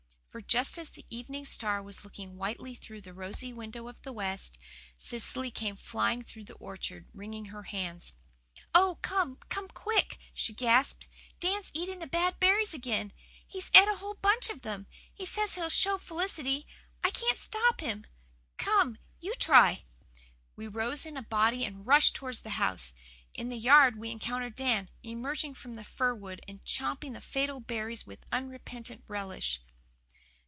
For, just as the evening star was looking whitely through the rosy window of the west, Cecily came flying through the orchard, wringing her hands. "Oh, come, come quick," she gasped. "Dan's eating the bad berries again he's et a whole bunch of them he says he'll show Felicity. I can't stop him. Come you and try." We rose in a body and rushed towards the house. In the yard we encountered Dan, emerging from the fir wood and champing the fatal berries with unrepentant relish.